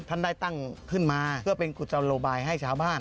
ท่านได้ตั้งขึ้นมาเพื่อเป็นกุศโลบายให้ชาวบ้าน